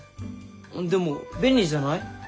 でも便利じゃない？